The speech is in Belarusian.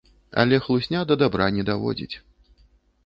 Але хлусня да дабра не даводзіць.